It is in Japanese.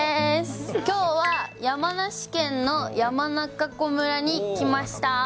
きょうは山梨県の山中湖村に来ましたー。